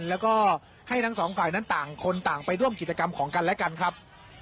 แล้วก็ให้ทั้งสองฝ่ายนั้นต่างคนต่างไปร่วมกิจกรรมของกันและกันครับ